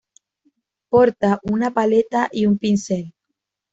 Porta una paleta y un pincel.